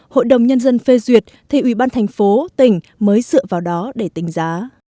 hội đồng nhân dân phê duyệt thì ủy ban thành phố tỉnh mới dựa vào đó để tính giá